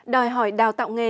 đòi hỏi đào tạo nghề